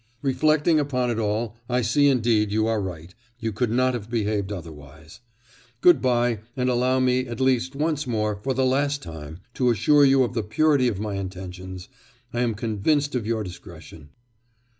Reflecting upon it all, I see indeed, you are right, you could not have behaved otherwise. Good bye, and allow me, at least once more, for the last time, to assure you of the purity of my intentions.... I am convinced of your discretion.